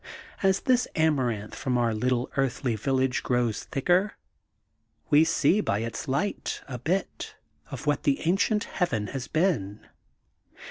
As this Amaranth from our little earthly village grows thicker, we see by its light a bit pf what the ancient Heaven has been.